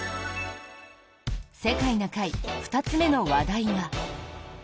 「世界な会」２つ目の話題が。